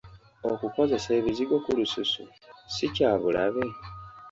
Okukozesa ebizigo ku lususu ssi kya bulabe?